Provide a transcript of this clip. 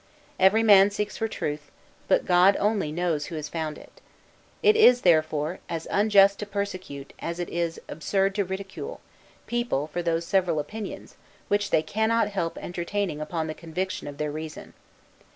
Every man seeks for truth; but God only knows who has found it. It is, therefore, as unjust to persecute, as it is absurd to ridicule, people for those several opinions, which they cannot help entertaining upon the conviction of their reason.